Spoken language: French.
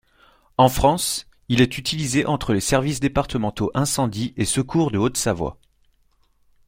En France, il est utilisé entre les services départementaux incendie et secours de Haute-Savoie.